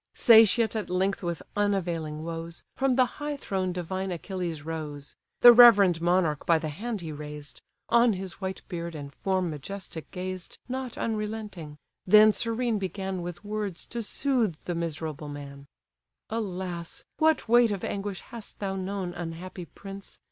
Satiate at length with unavailing woes, From the high throne divine Achilles rose; The reverend monarch by the hand he raised; On his white beard and form majestic gazed, Not unrelenting; then serene began With words to soothe the miserable man: "Alas, what weight of anguish hast thou known, Unhappy prince!